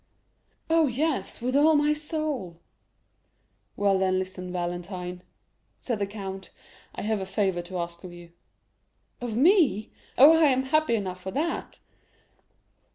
"Oh, yes, with all my soul." "Well, then, listen, Valentine," said the count; "I have a favor to ask of you." "Of me? Oh, am I happy enough for that?"